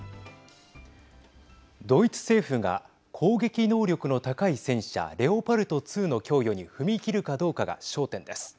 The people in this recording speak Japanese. ドイツ政府が攻撃能力の高い戦車レオパルト２の供与に踏み切るかどうかが焦点です。